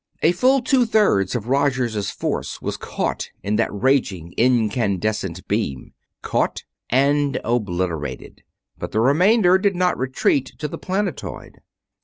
A full two thirds of Roger's force was caught in that raging, incandescent beam; caught and obliterated: but the remainder did not retreat to the planetoid.